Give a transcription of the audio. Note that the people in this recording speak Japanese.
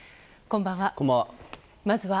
こんばんは。